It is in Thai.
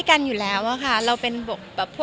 คุณแม่มะม่ากับมะมี่